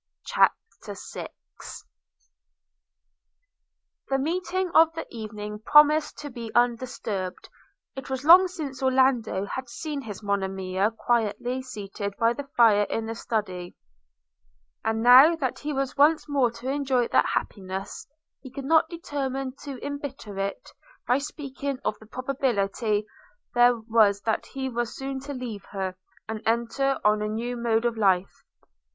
CHAPTER VI THE meeting of the evening promised to be undisturbed. It was long since Orlando had seen his Monimia quietly seated by the fire in the Study; and now that he was once more to enjoy that happiness, he could not determine to embitter it by speaking of the probability there was that he was soon to leave her, and enter on a new mode of life.